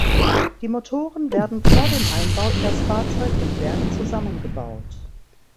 Die Motoren werden vor dem Einbau in das Fahrzeug im Werk zusammengebaut.